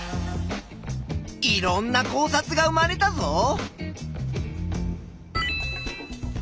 いろんな考察が生まれたぞ。